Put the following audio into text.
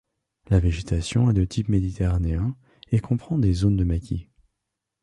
La végétation est de type méditerranéen, et comprend des zones de maquis.